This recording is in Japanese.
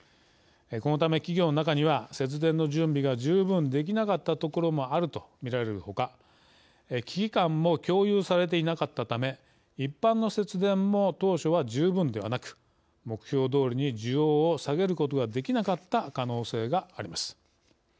このため企業の中には節電の準備が十分できなかった所もあるとみられるほか危機感も共有されていなかったため一般の節電も当初は十分ではなく目標どおりに需要を下げることができなかった可能性があります。